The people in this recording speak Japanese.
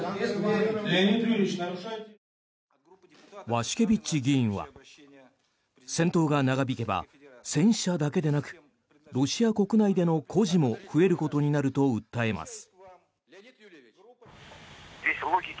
ワシュケビッチ議員は戦闘が長引けば戦死者だけでなくロシア国内での孤児も増えることになると訴えます。